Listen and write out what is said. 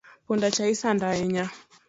Punda cha isando ahinya